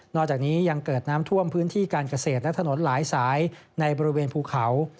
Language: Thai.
จากนี้ยังเกิดน้ำท่วมพื้นที่การเกษตรและถนนหลายสายในบริเวณภูเขา